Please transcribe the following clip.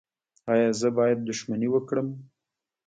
ایا زه باید دښمني وکړم؟